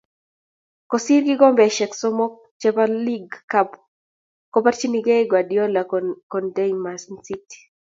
Kosir kikombeshe somok che bo Laague Cup ko borchinekei Guardiola kontea ManCity.